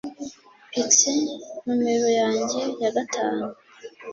pixie numero yanjye ya gatanu